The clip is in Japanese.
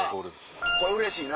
これうれしいな。